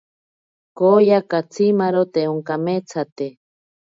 Kooya katsimaro te onkameetsate.